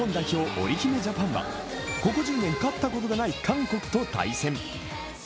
・おりひめジャパンがここ１０年勝ったことがない韓国と対戦。